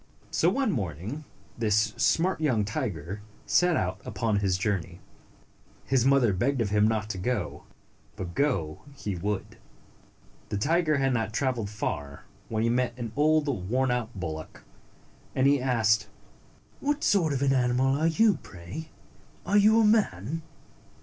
So, one morning, this smart young tiger set out upon his journey. His mother begged of him not to go, but go he would. The tiger had not traveled far when he met an old worn out bullock, and he asked, "What sort of an animal are you, pray? Are you a man?"